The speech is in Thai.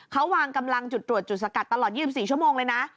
เขาวางกำลังจุดตรวจจุดสกัดตลอด๒๔ชั่วโมงเลยนะ